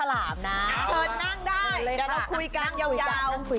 ว่าตัวเองเป็นผู้ช่องดี